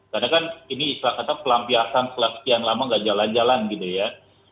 karena kan ini silahkan kata pelampiasan selama sekian lama tidak jalan jalan gitu ya